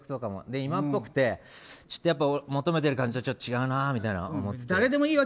今っぽくて求めている感じとちょっと違うなみたいなの思ってて。